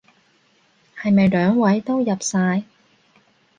係咪兩位都入晒？